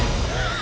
あ！